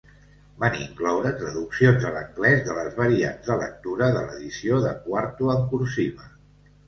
Van incloure traduccions a l'anglès de les variants de lectura de l'edició de quarto en cursiva.